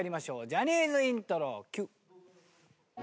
ジャニーズイントロＱ。